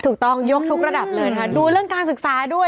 ถูกต้องยกทุกระดับเลยนะคะดูเรื่องการศึกษาด้วย